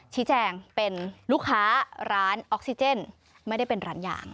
ชี้แจงเป็นลูกค้าร้านออกซิเจนไม่ได้เป็นร้านยาง